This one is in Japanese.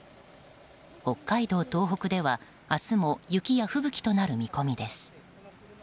北海道、東北では明日も雪や吹雪となる見込みです。